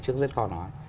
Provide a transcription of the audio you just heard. rất khó nói